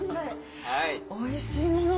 おいしいものを。